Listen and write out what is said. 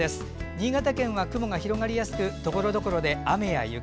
新潟県は雲が広がりやすくところどころで雨や雪。